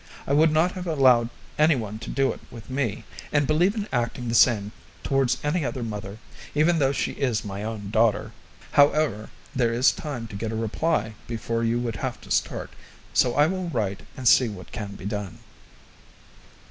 I would not have allowed any one to do it with me, and believe in acting the same towards any other mother, even though she is my own daughter. However, there is time to get a reply before you would have to start, so I will write and see what can be done."